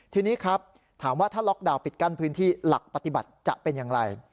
ทีนี้ครับถามว่าถ้าล็อกดาวน์ปิดกั้นพื้นที่หลักปฏิบัติจะเป็นอย่างไร